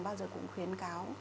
bao giờ cũng khuyến cáo